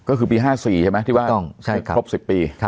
ก็คือปี๕๔ใช่ไหมที่ว่าครบ๑๐ปี